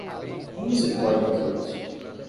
Como você pode dizer isso?